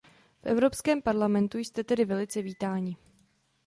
V Evropském parlamentu jste tedy velice vítáni.